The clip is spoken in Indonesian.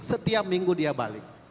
setiap minggu dia balik